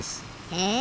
へえ。